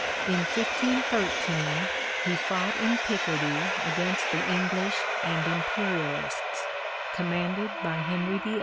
In 1513 he fought in Picardy against the English and Imperialists, commanded by Henry VIII.